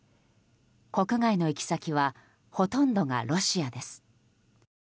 国外の行き先はほとんどがロシアです。